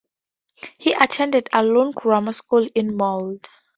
He attended Alun Grammar School in Mold.